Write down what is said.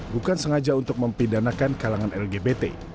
bukan sengaja untuk mempidanakan kalangan lgbt